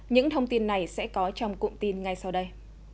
những thông tin này sẽ có trong cụm tin ngay sau đây